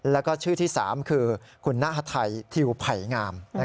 แล้วก็ชื่อที่สามคือคุณหน้าไทยถิวไผ่งาม